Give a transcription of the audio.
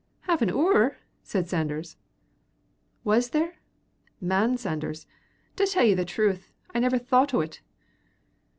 "Half an 'oor," said Sanders. "Was there? Man Sanders, to tell ye the truth, I never thocht o't."